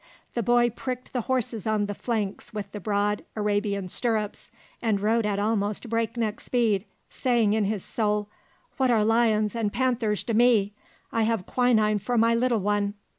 The boy pricked the horse on the flanks with the broad Arabian stirrups and rode at almost breakneck speed, saying in his soul: "What are lions and panthers to me? I have quinine for my little one!"